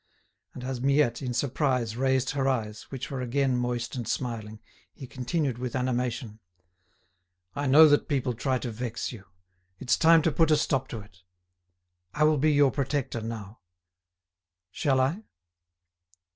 And as Miette, in surprise, raised her eyes, which were again moist and smiling, he continued with animation: "I know that people try to vex you. It's time to put a stop to it. I will be your protector now. Shall I?"